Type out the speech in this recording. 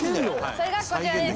それがこちらです！